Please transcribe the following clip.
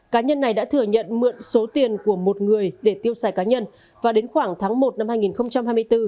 cá nhân này đã thừa nhận mượn số tiền của một người để tiêu xài cá nhân và đến khoảng tháng một năm hai nghìn hai mươi bốn